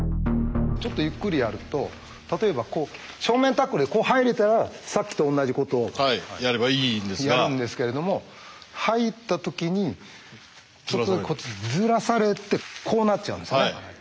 ちょっとゆっくりやると例えば正面タックルでこう入れたらさっきと同じことをやるんですけれども入った時にずらされてこうなっちゃうんですね。